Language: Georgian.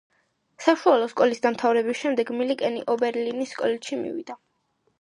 საშუალო სკოლის დამთავრების შემდეგ მილიკენი ობერლინის კოლეჯში შევიდა.